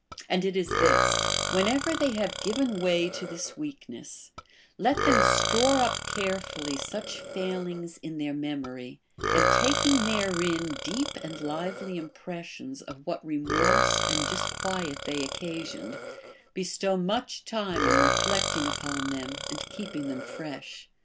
And it is this : whenever they have given way to this weakness, let them store up careful ly such failings in their memory, and taking therein deep and liΛ^ely impressions of what remorse and disquiet they occasioned, bestow much time in reflecting upon them and keeping them fresh.